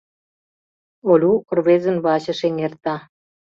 — Олю рвезын вачыш эҥерта.